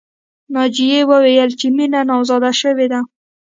ناجیې وویل چې مینه نامزاده شوې ده